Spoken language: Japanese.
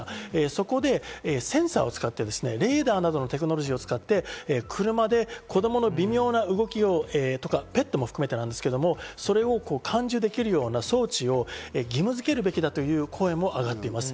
そこでセンサーを使って、レーダーなどのテクノロジーを使って、車で子供の微妙な動きとかペットも含めてなんですけど、それを感受できるような装置を義務づけるべきだという声も挙がっています。